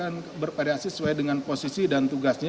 dan berpadeasi sesuai dengan posisi dan tugasnya